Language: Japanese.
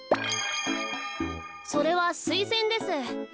それはスイセンです。